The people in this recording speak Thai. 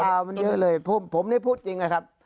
ข่าวมันเยอะเลยผมได้พูดจริงนะครับ